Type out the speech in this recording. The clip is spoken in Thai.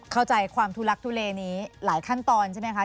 เข้าใจความทุลักทุเลนี้หลายขั้นตอนใช่ไหมคะ